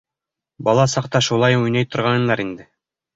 Бала саҡта шулай уйнай торғайнылар инде.